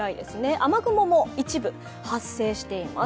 雨雲も一部発生しています。